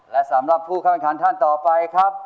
และสำหรับผู้ข้ามอาคารท่านต่อไปครับ